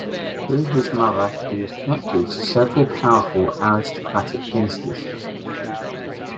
Through his mother, he was connected to several powerful aristocratic dynasties.